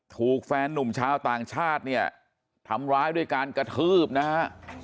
ถูกแฟนนุ่มชาวต่างชาติเนี่ยทำร้ายด้วยการกระทืบนะฮะ